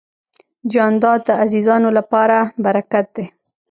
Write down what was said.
جانداد د عزیزانو لپاره برکت دی.